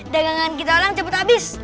dengengan kita lang cepet abis